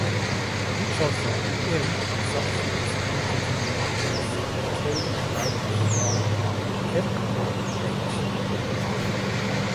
Each of the "m" subsets may contain at most "k" items from category "h".